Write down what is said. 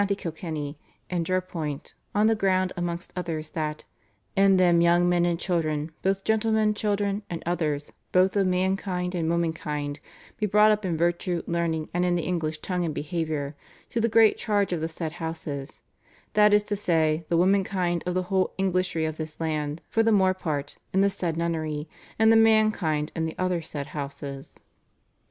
Kilkenny), and Jerpoint, on the ground amongst others that "in them young men and children, both gentlemen children and others both of man kind and woman kind, be brought up in virtue, learning and in the English tongue and behaviour, to the great charge of the said houses; that is to say, the woman kind of the whole Englishry of this land, for the more part, in the said nunnery, and the man kind in the other said houses."